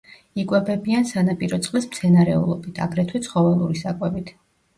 იკვებებიან სანაპირო წყლის მცენარეულობით, აგრეთვე ცხოველური საკვებით.